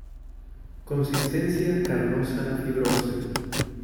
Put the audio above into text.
Consistencia carnosa-fibrosa.